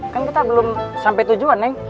kan kita belum sampe tujuan neng